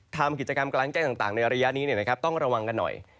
ทำกิจกรรมกลางแจ้งต่างในระยะนี้ต้องระวังกันหน่อย